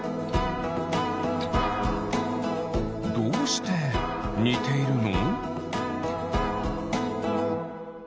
どうしてにているの？